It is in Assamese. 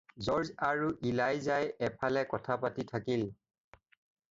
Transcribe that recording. জৰ্জ আৰু ইলাইজাই এফালে কথা পাতি থাকিল।